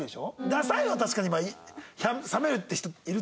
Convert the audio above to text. ダサいは確かに冷めるって人いるっていう。